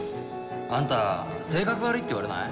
あんた性格悪いって言われない？